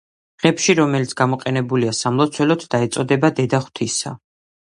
ღებში, რომელიც გამოყენებულია სამლოცველოდ და ეწოდება „დედა ღვთისა“.